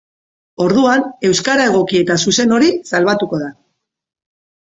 Orduan euskara egoki eta zuzen hori salbatuko da.